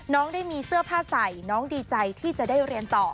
น้องได้มีเสื้อผ้าใส่น้องดีใจที่จะได้เรียนต่อ